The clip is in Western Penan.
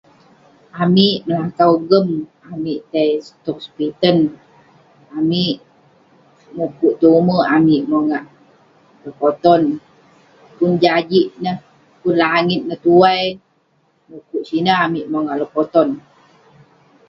Amik melakau gem amik tai tong sepiten. Amik, mukuk tong ume' amik mongak lekoton. Pun jajik neh, pun langit neh tuai, mukuk sineh amik mongak lekoton.